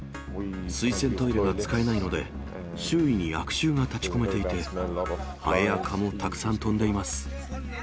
水洗トイレが使えないので、周囲に悪臭が立ちこめていて、ハエや蚊もたくさん飛んでいます。